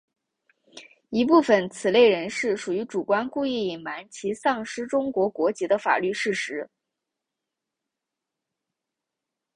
一部分此类人士属于主观故意隐瞒其丧失中国国籍的法律事实。